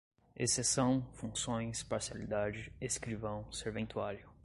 exceção, funções, parcialidade, escrivão, serventuário